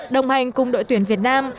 đồng hành cùng đội tuyển việt nam